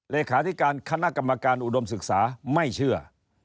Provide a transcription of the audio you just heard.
เลขาธิการคณะกรรมการอุดมศึกษาไม่เชื่อ